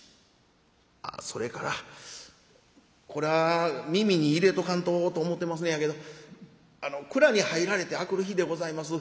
ああそれからこれは耳に入れとかんとと思てますねやけど蔵に入られて明くる日でございます